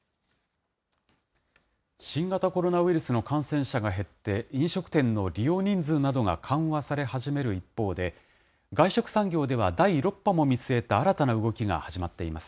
新型コロナウイルスの感染者が減って、飲食店の利用人数などが緩和され始める一方で、外食産業では第６波も見据えた新たな動きが始まっています。